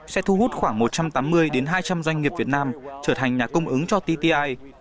sẽ thu hút khoảng một trăm tám mươi hai trăm linh doanh nghiệp việt nam trở thành nhà cung ứng cho tti